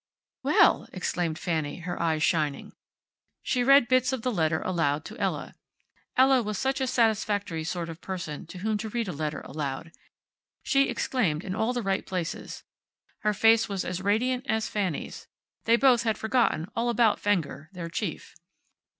"Well!" exclaimed Fanny, her eyes shining. She read bits of the letter aloud to Ella. Ella was such a satisfactory sort of person to whom to read a letter aloud. She exclaimed in all the right places. Her face was as radiant as Fanny's. They both had forgotten all about Fenger, their Chief.